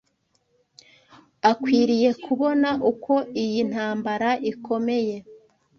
Akwiriye kubona uko iyi ntambara ikomeye